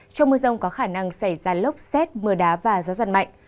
trong mưa rông có khả năng xảy ra lốc xét mưa đá và gió giật mạnh